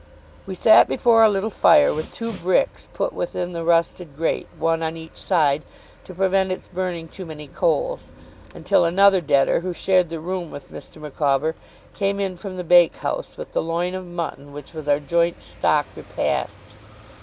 We sat before a little fire, with two bricks put within the rusted grate, one on each side, to prevent its burning too many coals; until another debtor, who shared the room with Mr. Micawber, came in from the bakehouse with the loin of mutton which was our joint stock repast.